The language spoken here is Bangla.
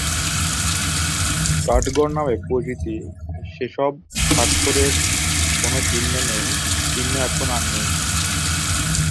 কাঠগড় নামে পরিচিত সেসব স্মারকের কোনো চিহ্ন এখন আর নেই।